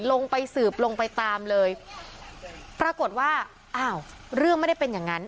ลงไปสืบลงไปตามเลยปรากฏว่าอ้าวเรื่องไม่ได้เป็นอย่างนั้น